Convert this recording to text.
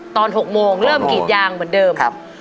ตอน๖โมงเริ่มกรีดยางเหมือนเดิม